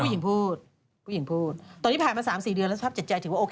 ผู้หญิงพูดด้วยเหรอผู้หญิงพูดตอนนี้ผ่านมาสามสี่เดือนแล้วภาพเจ็บใจถึงว่าโอเค